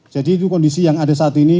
jadi itu kondisi yang ada saat ini